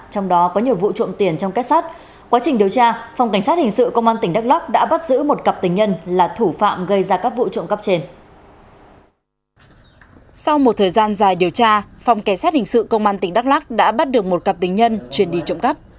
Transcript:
trong cuộc kiểm tra phòng kế sát hình sự công an tỉnh đắk lắc đã bắt được một cặp tình nhân chuyên đi trộm cắp